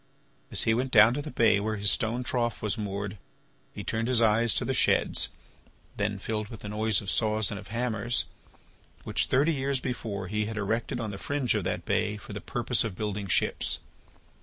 As he went down to the bay where his stone trough was moored, he turned his eyes to the sheds, then filled with the noise of saws and of hammers, which, thirty years before, he had erected on the fringe of that bay for the purpose of building ships.